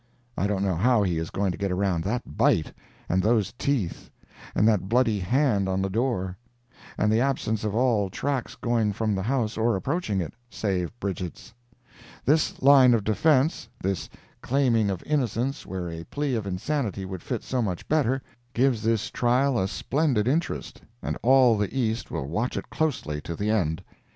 I don't know how he is going to get around that bite, and those teeth, and that bloody hand on the door, and the absence of all tracks going from the house or approaching it, save Bridget's. This line of defence, this claiming of innocence where a plea of insanity would fit so much better, gives this trial a splendid interest, and all the East will watch it closely to the end.